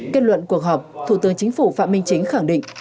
kết luận cuộc họp thủ tướng chính phủ phạm minh chính khẳng định